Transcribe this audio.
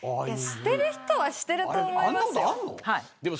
してる人はしてると思います。